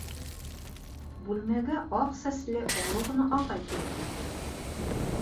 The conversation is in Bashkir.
Бүлмәгә аҡ сәсле оло ғына ағай килеп инде.